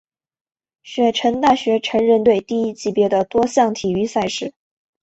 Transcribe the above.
雪城大学橙人队第一级别的多项体育赛事。